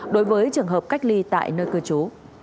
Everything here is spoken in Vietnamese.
đối với trường hợp cách ly tại nơi cư trú